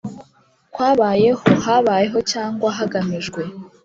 kwabayeho habaye cyangwa hagamijwe